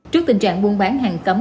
trước tình trạng buôn bán hàng cấm